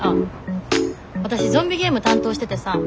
わたしゾンビゲーム担当しててさ。